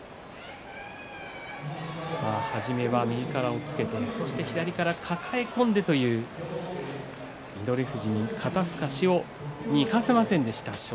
初めは右から押っつけてそして左から抱え込んでという翠富士、肩すかし生かせませんでした。